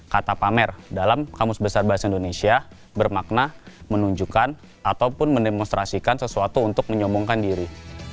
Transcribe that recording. kata pamer dalam kamus besar bahasa indonesia bermakna menunjukkan ataupun mendemonstrasikan sesuatu untuk menyomongkan diri